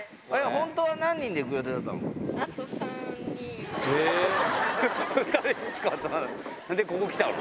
本当は何人で行く予定だったの？